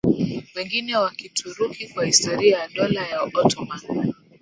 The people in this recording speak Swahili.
wengine wa Kituruki kwa historia ya Dola ya Ottoman